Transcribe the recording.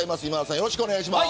よろしくお願いします。